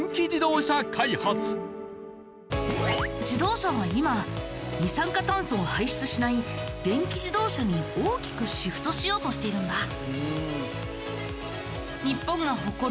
自動車は今二酸化炭素を排出しない電気自動車に大きくシフトしようとしているんだ。